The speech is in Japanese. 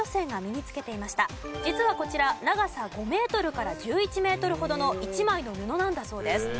実はこちら長さ５メートルから１１メートルほどの１枚の布なんだそうです。